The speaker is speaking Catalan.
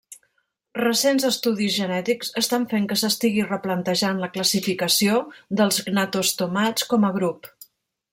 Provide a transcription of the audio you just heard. Recents estudis genètics estan fent que s'estigui replantejant la classificació dels gnatostomats com a grup.